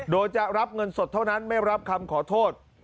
โดยจะรับเงินสดเท่านั้นไม่รับคำขอโทษ